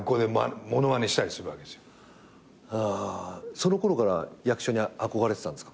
そのころから役者に憧れてたんですか？